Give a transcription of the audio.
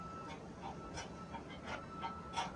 که موږ له ماڼۍ څخه ډګر ته وړاندي لاړ نه سو.